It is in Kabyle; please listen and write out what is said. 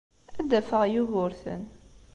Ad d-afeɣ Yugurten.